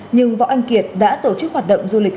nhưng võ anh kiệt đã tổ chức hoạt động du lịch